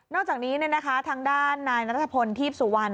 อกจากนี้ทางด้านนายนัทพลทีพสุวรรณ